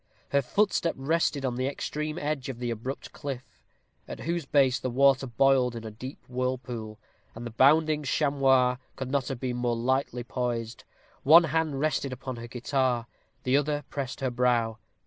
Her footstep rested on the extreme edge of the abrupt cliff, at whose base the water boiled in a deep whirlpool, and the bounding chamois could not have been more lightly poised. One small hand rested upon her guitar, the other pressed her brow.